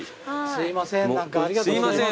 すいません何かありがとうございます。